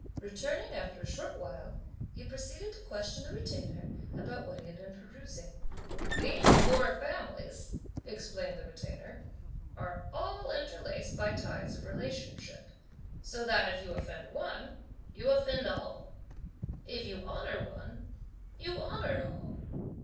Returning after a short while he proceeded to question the Retainer (about what he had been perusing.) "These four families," explained the Retainer, "are all interlaced by ties of relationship, so that if you offend one, you offend all; if you honour one, you honour all.